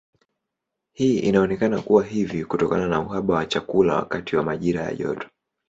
Hii inaonekana kuwa hivi kutokana na uhaba wa chakula wakati wa majira ya joto.